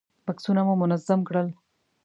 بکسونه مو منظم کړل.